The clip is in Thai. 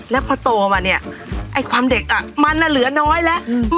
แล้วพอโตมาเนี่ยไอ้ความเด็กอ่ะมันเหลือน้อยแล้ว